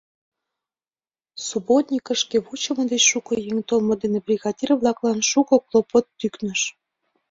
Субботникышке вучымо деч шуко еҥ толмо дене бригадир-влаклан шуко клопот тӱкныш.